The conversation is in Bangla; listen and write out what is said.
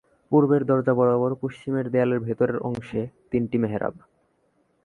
পূর্বের দরজা বরাবর পশ্চিমের দেয়ালের ভেতরের অংশে তিনটি মেহরাব।